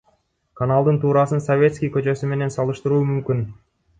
Каналдын туурасын Советский көчөсү менен салыштыруу мүмкүн.